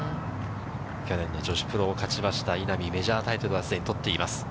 去年の女子プロを勝ちました稲見、メジャータイトルはすでにとっています。